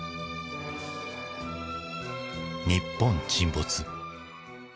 「日本沈没」。